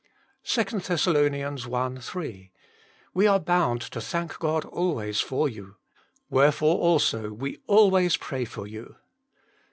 2 Thess. i. 3 :" We are bound to thank God always for you. Wherefore also we always pray for you."